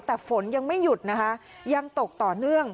แต่ฝนยังไม่หยุดนะคะยังตกต่อเนื่อง